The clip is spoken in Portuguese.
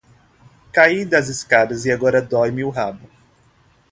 Caí das escadas e agora dói-me o rabo.